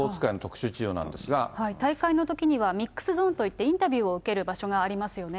大会のときには、ミックスゾーンといってインタビューを受ける場所がありますよね。